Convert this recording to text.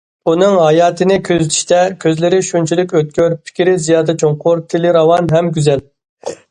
ئۇنىڭ ھاياتنى كۆزىتىشتە كۆزلىرى شۇنچىلىك ئۆتكۈر، پىكرى زىيادە چوڭقۇر، تىلى راۋان ھەم گۈزەل.